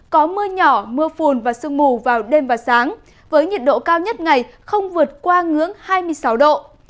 có mưa nhỏ mưa phùn và sương mù vào đêm và sáng với nhiệt độ cao nhất ngày không vượt qua ngưỡng hai mươi sáu độ